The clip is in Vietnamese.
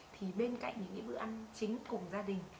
thì bên cạnh những bữa ăn chính cùng gia đình